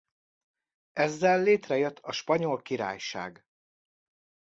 Ezzel létre jött a Spanyol Királyság.